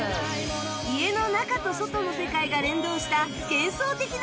家の中と外の世界が連動した幻想的な一軒家でした